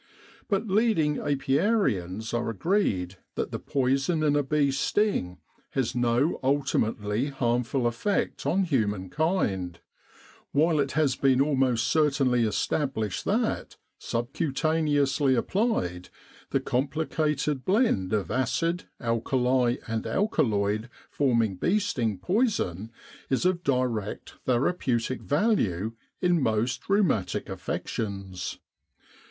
But leading apiarians are agreed that the poison in a bee's sting has no ultimately harmful effect on humankind; while it has been almost certainly established that, subcutaneously applied, the com plicated blend of acid, alkali and alkaloid forming bee sting poison is of direct therapeutic value in most rheumatic affections.